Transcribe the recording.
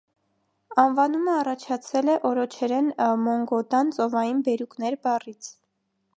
Անվանումը առաջացել է օրոչերեն մոնգոդան «ծովային բերուկներ» բառից։